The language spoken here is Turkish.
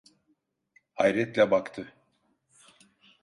Hayretle baktı...